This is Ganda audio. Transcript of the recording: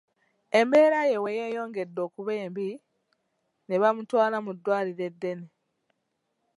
Embeera ye bwe yeeyongedde okuba embi ne bamutwala mu ddwaliro eddene.